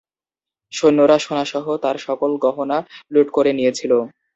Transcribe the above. সৈন্যরা সোনা সহ তার সকল গহনা লুট করে নিয়েছিল।